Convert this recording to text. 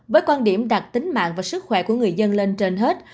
với quan điểm đặt tính mạng và sức khỏe của người dân lên trên hết